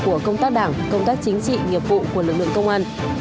của công tác đảng công tác chính trị nghiệp vụ của lực lượng công an